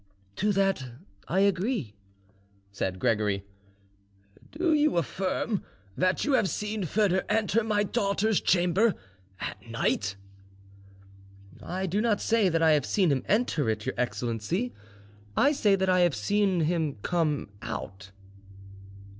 "To that I agree," said Gregory. "Do you affirm that you have seen Foedor enter my daughter's chamber at night?" "I do not say that I have seen him enter it, your excellency. I say that I have seen him come out."